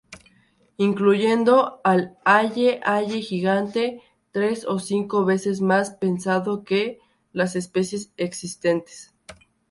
Incluyendo al aye-aye gigante, tres o cinco veces más pesado que las especies existentes.